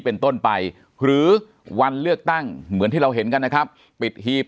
เป็นต้นไปหรือวันเลือกตั้งเหมือนที่เราเห็นกันนะครับปิดหีบ